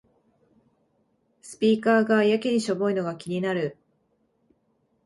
スピーカーがやけにしょぼいのが気になる